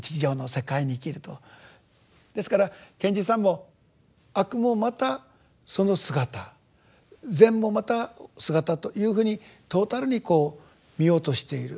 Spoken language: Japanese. ですから賢治さんも「悪もまたその姿」「善もまた姿」というふうにトータルにこう見ようとしている。